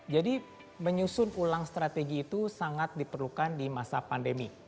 jadi menyusun ulang strategi itu sangat diperlukan di masa pandemi